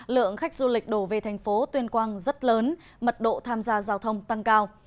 lượng khách du lịch đổ về thành phố tuyên quang rất lớn mật độ tham gia giao thông tăng cao